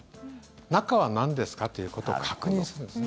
中はなんですか？ということを確認するんですね。